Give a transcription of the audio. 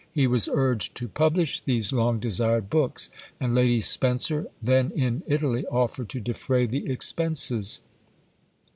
He was urged to publish these long desired books; and Lady Spencer, then in Italy, offered to defray the expenses.